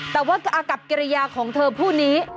แต่ว่ากับกิริยาของเธอผู้นี้